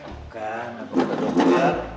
bukan apa kata dokter